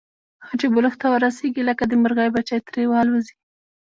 خو چې بلوغ ته ورسېږي، لکه د مرغۍ بچي ترې والوځي.